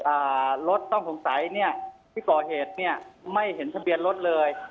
อ่ารถต้องสงสัยเนี้ยที่ก่อเหตุเนี้ยไม่เห็นทะเบียนรถเลย